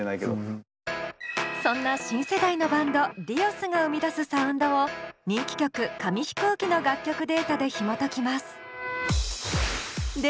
そんな新世代のバンドＤｉｏｓが生み出すサウンドを人気曲「紙飛行機」の楽曲データでひもときます。